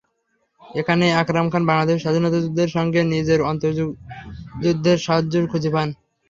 এখানেই আকরাম খান বাংলাদেশের স্বাধীনতাযুদ্ধের সঙ্গে নিজের অন্তর্যুদ্ধের সাযুজ্য খুঁজে পান।